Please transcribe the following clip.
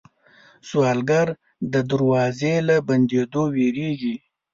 سوالګر د دروازې له بندېدو وېرېږي